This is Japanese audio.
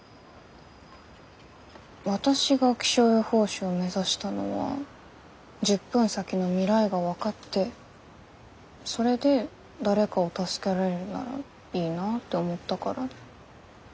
私が気象予報士を目指したのは１０分先の未来が分かってそれで誰かを助けられるならいいなって思ったからで。